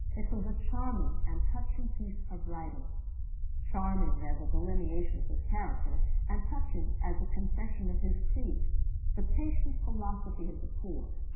It was a charming and touching piece of writing; charming as a delineation of his character, and touching as a confession of his creed, the patient philosophy of the poor.